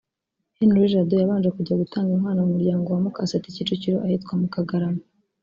Henri Jado yabanje kujya gutanga inkwano mu muryango wa Mukaseti Kicukiro ahitwa mu Kagarama